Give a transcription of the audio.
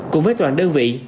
cùng với toàn đơn vị